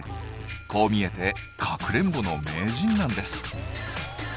こう見えてかくれんぼの名人なんです。